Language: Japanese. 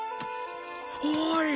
おい！